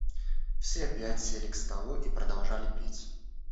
Все опять сели к столу и продолжали пить.